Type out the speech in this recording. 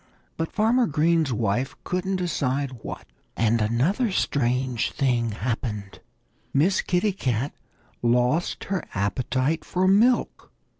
But Farmer Green's wife couldn't decide what. And another strange thing happened. Miss Kitty Cat lost her appetite for milk.